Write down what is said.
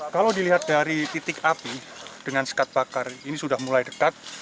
kalau dilihat dari titik api dengan sekat bakar ini sudah mulai dekat